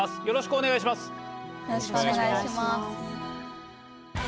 よろしくお願いします。